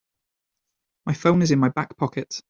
My phone is in my back pocket.